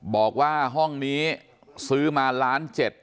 บอกว่าห้องนี้ซื้อมาล้านเจ็ด